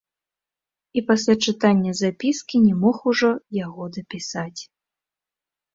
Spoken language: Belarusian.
І пасля чытання запіскі не мог ужо яго дапісаць.